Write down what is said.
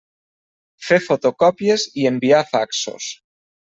Fer fotocòpies i enviar faxos.